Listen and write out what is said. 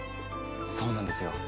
そうなんですよ。